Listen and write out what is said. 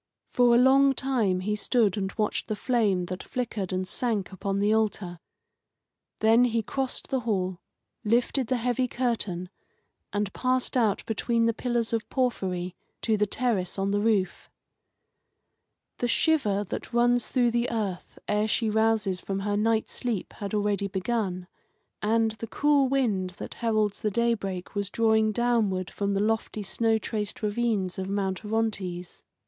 For a long time he stood and watched the flame that flickered and sank upon the altar. Then he crossed the hall, lifted the heavy curtain, and passed out between the pillars of porphyry to the terrace on the roof. The shiver that runs through the earth ere she rouses from her night sleep had already begun, and the cool wind that heralds the daybreak was drawing downward from the lofty snow traced ravines of Mount Orontes.